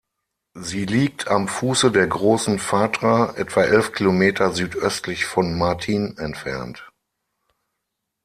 Sie liegt am Fuße der Großen Fatra etwa elf Kilometer südöstlich von Martin entfernt.